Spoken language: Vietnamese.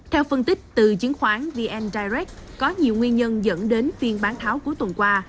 theo phân tích từ chứng khoán vn direct có nhiều nguyên nhân dẫn đến phiên bán tháo cuối tuần qua